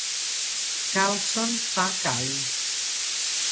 Carlson fa Kali.